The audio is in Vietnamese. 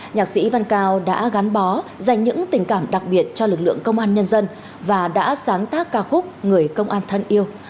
nhạc sĩ văn cao đã gắn bó dành những tình cảm đặc biệt cho lực lượng công an nhân dân và đã sáng tác ca khúc người công an thân yêu